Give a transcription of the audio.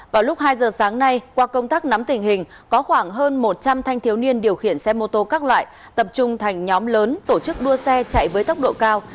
vào lúc hai giờ sáng nay qua công tác nắm tình hình có khoảng hơn một trăm linh thanh thiếu niên điều khiển xe mô tô các loại tập trung thành nhóm lớn tổ chức đua xe chạy với tốc độ cao